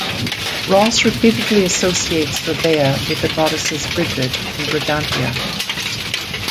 Ross repeatedly associates Verbeia with the goddesses Brigid and Brigantia.